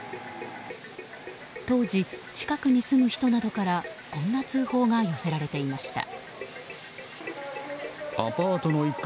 当時、近くに住む人などからこんな通報が寄せられていました。